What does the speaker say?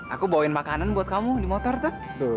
aku bawain makanan buat kamu di motor tak